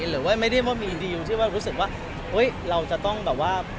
หรือว่าไม่ได้ว่ามีดีลที่ว่ารู้สึกว่าเราจะต้องแบบว่า